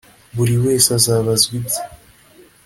buri wese azabazwa ibye